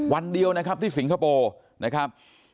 วันเดียวที่สิงคโปร์นะครับ